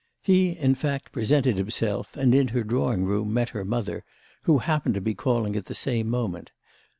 He in fact presented himself and in her drawing room met her mother, who happened to be calling at the same moment.